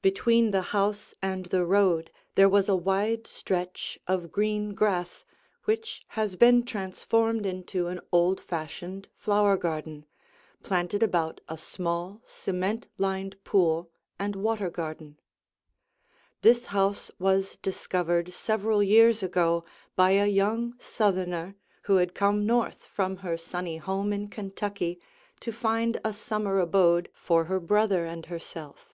Between the house and the road there was a wide stretch of green grass which has been transformed into an old fashioned flower garden, planted about a small, cement lined pool and water garden. [Illustration: Rear View from the Garden] This house was discovered several years ago by a young Southerner who had come north from her sunny home in Kentucky to find a summer abode for her brother and herself.